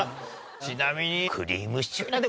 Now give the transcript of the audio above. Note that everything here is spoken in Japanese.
ちなみに。